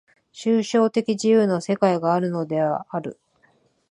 抽象的自由の世界があるのである。